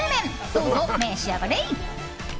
どうぞ召し上がれ！